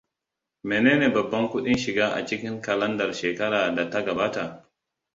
Menene babban kudin shiga a cikin kalandar shekara da ta gabata?